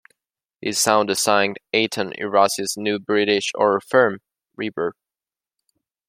He sound-designed Aitan Errusi's new British horror film "Reverb".